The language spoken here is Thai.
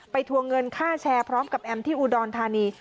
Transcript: ทวงเงินค่าแชร์พร้อมกับแอมที่อุดรธานี